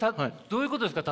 どういうことですか？